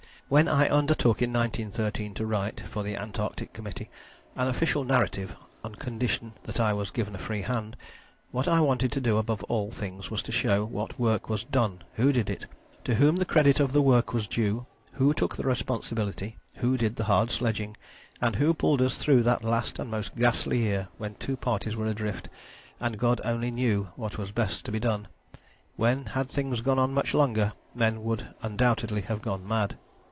When I undertook in 1913 to write, for the Antarctic Committee, an Official Narrative on condition that I was given a free hand, what I wanted to do above all things was to show what work was done; who did it; to whom the credit of the work was due; who took the responsibility; who did the hard sledging; and who pulled us through that last and most ghastly year when two parties were adrift, and God only knew what was best to be done; when, had things gone on much longer, men would undoubtedly have gone mad.